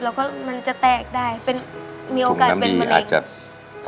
แล้วก็มันจะแตกได้เป็นมีโอกาสเป็นมะเร็งถุงน้ำดีอาจจะ